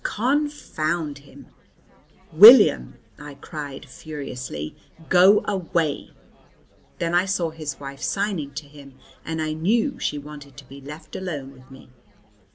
Confound him. "William," I cried furiously, "go away." Then I saw his wife signing to him, and I knew she wanted to be left alone with me.